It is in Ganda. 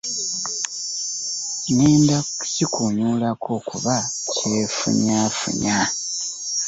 Ŋŋenda kukikuunyuulako kuba kyefunyaafunya.